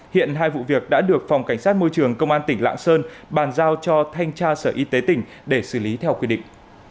hiện hai vụ việc đã được phòng cảnh sát môi trường công an tỉnh lạng sơn bàn giao cho thanh tra sở y tế tỉnh để xử lý theo quy định